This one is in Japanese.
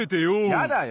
やだよ！